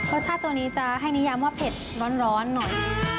รสชาติตัวนี้จะให้นิยามว่าเผ็ดร้อนหน่อย